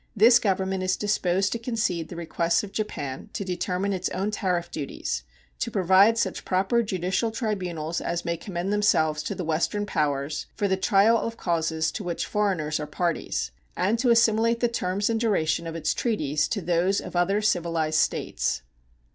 This Government is disposed to concede the requests of Japan to determine its own tariff duties, to provide such proper judicial tribunals as may commend themselves to the Western powers for the trial of causes to which foreigners are parties, and to assimilate the terms and duration of its treaties to those of other civilized states.